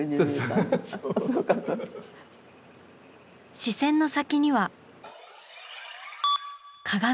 視線の先には鏡。